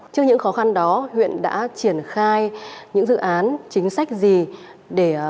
trước những khó khăn đó huyện đã triển khai những dự án chính sách gì để thực hiện thành công